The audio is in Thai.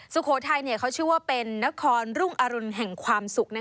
สุโขทัยเขาชื่อว่าเป็นนครรุ่งอรุณแห่งความสุข